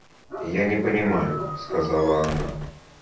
Я не понимаю, — сказала она.